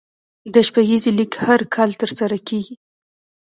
د شپږیزې لیګ هر کال ترسره کیږي.